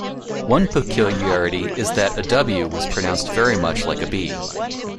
One peculiarity is that a "w" was pronounced very much like a "b.